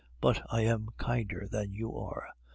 But I am kinder than you are.